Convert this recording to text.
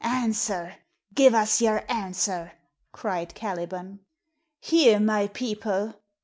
"Answer! Give us yer answer!" cried Caliban. "Hear, my people!"